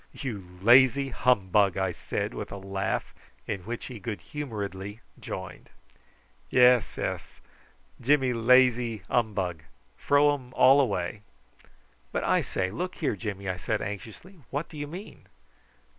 "You lazy humbug!" I said with a laugh, in which he good humouredly joined. "Yess ess Jimmy laze humbug! Fro um all away." "But I say, look here, Jimmy!" I said anxiously, "what do you mean?"